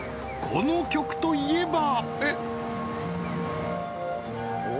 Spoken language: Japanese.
この曲といえば］